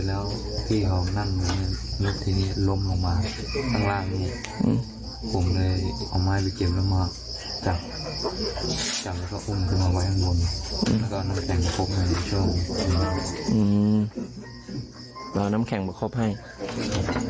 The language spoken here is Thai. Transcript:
แล้วผมเรียกว่าเขาไม่รู้ว่าจะถึงขั้นเสียชีวิตนึกว่าจะถึงขั้นเสียชีวิตนึกว่าจะถึงขั้นเสียชีวิต